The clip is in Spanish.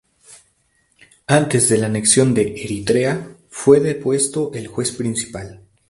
Antes de la anexión de Eritrea, fue depuesto el juez principal.